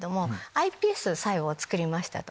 ｉＰＳ細胞を作りましたと。